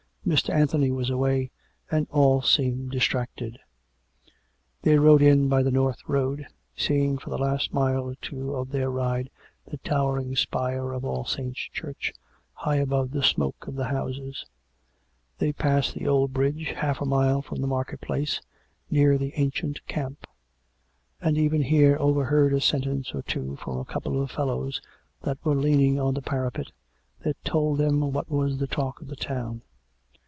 Mr. Anthony was away, and all seemed distracted. They rode in by the North road, seeing for the last mile or two of their ride the towering spire of All Saints' Church high above the smoke of the houses ; they passed the old bridge half a mile from the market place, near the ancient camp; and even here overheard a sentence or two from a couple of fellows that were leaning on the i:)arapet, that told them what was the talk of the town.